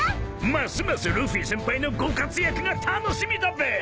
ますますルフィ先輩のご活躍が楽しみだべ！